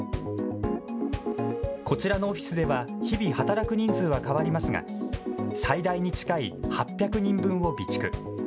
こちらのオフィスでは日々、働く人数は変わりますが最大に近い８００人分を備蓄。